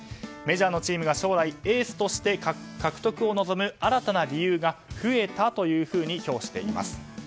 メジャーのチームが、将来エースとして獲得を望む新たな理由が増えたと評しています。